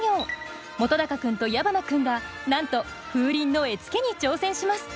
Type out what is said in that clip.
本君と矢花君がなんと風鈴の絵付けに挑戦します。